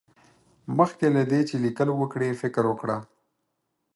مخکې له دې چې ليکل وکړې، فکر وکړه.